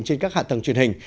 trên các hạ tầng truyền hình